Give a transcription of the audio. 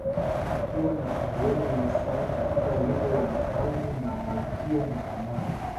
Akiwa na Ambwene Yesaya katika wimbo wa mfalme na malkia na Amani